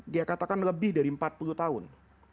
dia katakan lebih dari empat puluh tahun